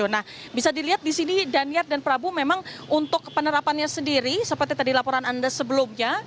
nah bisa dilihat di sini daniar dan prabu memang untuk penerapannya sendiri seperti tadi laporan anda sebelumnya